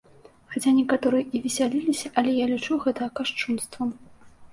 Хаця некаторыя і весяліліся, але я лічу гэта кашчунствам.